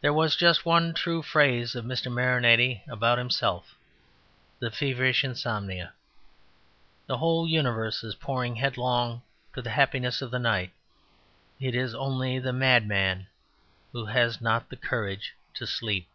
There was just one true phrase of Mr. Marinetti's about himself: "the feverish insomnia." The whole universe is pouring headlong to the happiness of the night. It is only the madman who has not the courage to sleep.